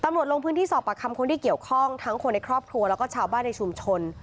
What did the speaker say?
ลงพื้นที่สอบประคำคนที่เกี่ยวข้องทั้งคนในครอบครัวแล้วก็ชาวบ้านในชุมชน